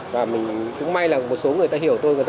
và mình cũng may là một số người ta hiểu tôi